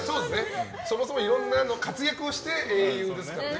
そもそもいろんな活躍をして英雄ですからね。